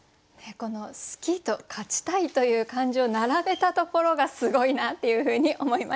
この「好き」と「勝ちたい」という感情並べたところがすごいなっていうふうに思いました。